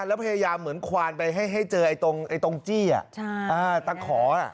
แล้วพยายามเหมือนควานไปให้เจอไอ้ตรงจี้อ่ะตั๊กขออ่ะ